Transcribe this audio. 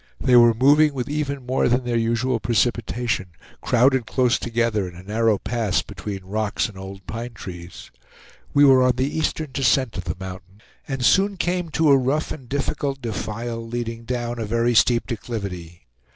They were moving with even more than their usual precipitation, crowded close together in a narrow pass between rocks and old pine trees. We were on the eastern descent of the mountain, and soon came to a rough and difficult defile, leading down a very steep declivity.